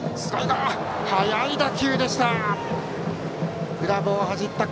速い打球でした。